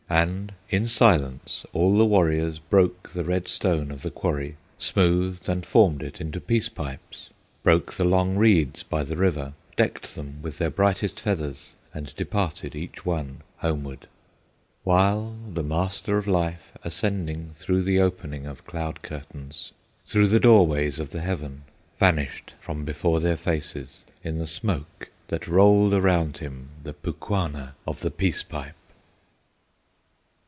And in silence all the warriors Broke the red stone of the quarry, Smoothed and formed it into Peace Pipes, Broke the long reeds by the river, Decked them with their brightest feathers, And departed each one homeward, While the Master of Life, ascending, Through the opening of cloud curtains, Through the doorways of the heaven, Vanished from before their faces, In the smoke that rolled around him, The Pukwana of the Peace Pipe!